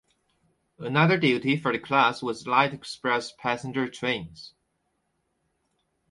Another duty for the class was light express passenger trains.